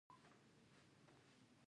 څنګه کولی شم د چرګانو فارم پیل کړم